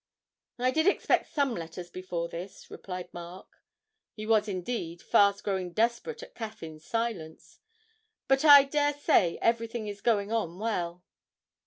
'I did expect some letters before this,' replied Mark (he was indeed fast growing desperate at Caffyn's silence); 'but I dare say everything is going on well.'